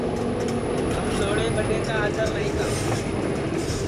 تھم لھوڑے ٻڈؔے کا آدر نائیں کرو